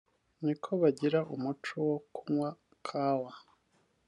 ni uko bagira umuco wo kunywa Kawa